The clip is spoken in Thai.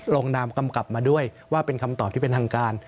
ลงนามกำกลับมาด้วยว่าเป็นคำตอบที่เป็นทางการ